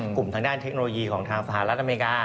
กลุ่มทางด้านเทคโนโลยีของทางสหรัฐอเมริกา